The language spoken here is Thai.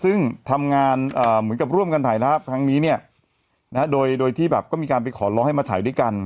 ซึ่งทำงานเหมือนกับร่วมกันถ่ายภาพครั้งนี้เนี่ยนะฮะโดยที่แบบก็มีการไปขอร้องให้มาถ่ายด้วยกัน